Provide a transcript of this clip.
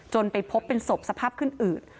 ไปพบเป็นศพสภาพขึ้นอืด